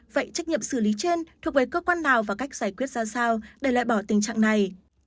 vậy trách nhiệm xử lý trên thuộc về cơ quan nào và cách giải quyết ra sao để loại bỏ tình trạng này